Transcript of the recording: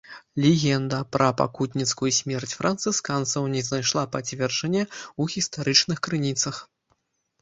Легенда пра пакутніцкую смерць францысканцаў не знайшла пацверджання ў гістарычных крыніцах.